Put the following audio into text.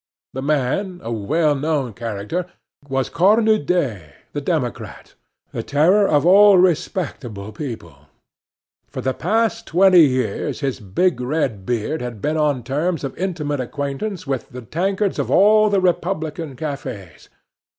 The man a well known character was Cornudet, the democrat, the terror of all respectable people. For the past twenty years his big red beard had been on terms of intimate acquaintance with the tankards of all the republican cafes.